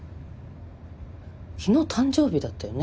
昨日誕生日だったよね